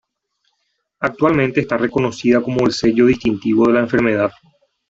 Actualmente está reconocida como el sello distintivo de la enfermedad.